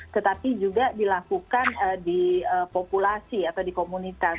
tetapi juga dilakukan di populasi atau di komunitas